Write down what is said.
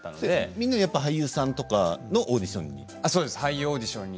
みんな俳優さんとかのオーディションで？